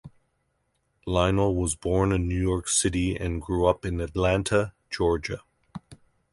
Lionel was born in New York City and grew up in Atlanta, Georgia.